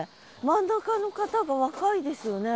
真ん中の方が若いですよね。